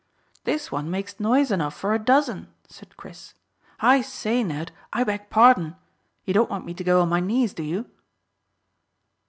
"This one makes noise enough for a dozen," said Chris. "I say, Ned, I beg pardon. You don't want me to go on my knees, do you?"